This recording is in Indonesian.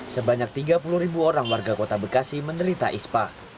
sebanyak tiga puluh ribu orang warga kota bekasi menderita ispa